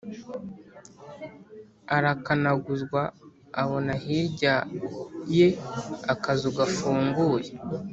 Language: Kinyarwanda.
arakanaguzwa abona hirya ye akazu gafunguye